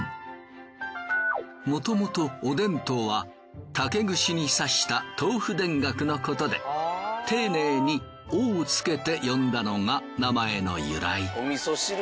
もともとおでんとは竹串に刺した豆腐田楽のことで丁寧に「お」を付けて呼んだのが名前の由来。